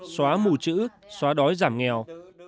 xóa mù chữ xóa đói giảm nghèo